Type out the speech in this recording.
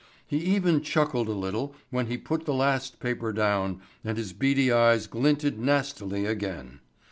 He even chuckled a little when he put the last paper down and his beady eyes glinted nastily again.